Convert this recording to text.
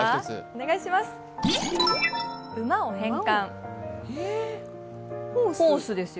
お願いします。